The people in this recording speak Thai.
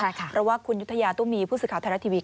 เพราะว่าคุณยุธยาตุ้มีผู้สื่อข่าวไทยรัฐทีวี